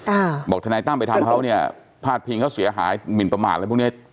อ่าบอกทนายตั้มไปทำเขาเนี่ยพาดพิงเขาเสียหายหมินประมาทอะไรพวกเนี้ย